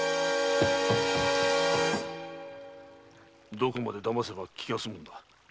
どこまで騙せば気が済むのだ。